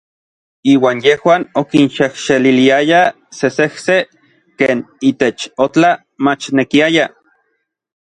Iuan yejuan okinxejxeliliayaj sesejsej ken itech otla machnekiaya.